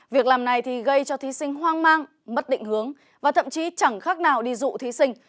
việc làm này thì gây cho thí sinh hoang mang mất định hướng và thậm chí chẳng khác nào đi dụ thí sinh